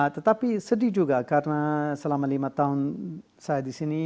tetapi sedih juga karena selama lima tahun saya di sini